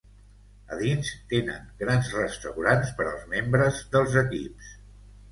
A dins, tenen grans restaurants per als membres dels equips